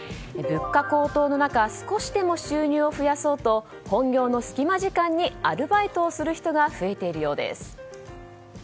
物価高騰の中少しでも収入を増やそうと本業のスキマ時間にアルバイトをする人が増えているようです。